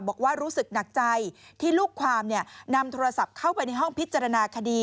บอกว่ารู้สึกหนักใจที่ลูกความนำโทรศัพท์เข้าไปในห้องพิจารณาคดี